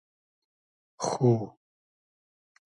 خو